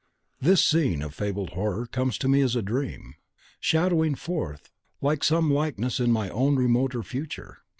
This scene of fabled horror comes to me as a dream, shadowing forth some likeness in my own remoter future!"